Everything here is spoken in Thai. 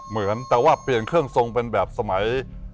เหมือนแต่ว่าเปลี่ยนเครื่องทรงเป็นแบบสมัย